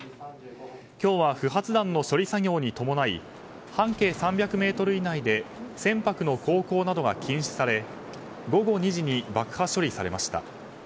今日は不発弾の処理作業に伴い半径３００ｍ以内で船舶の航行などが禁止され午後２時に爆破処理されました。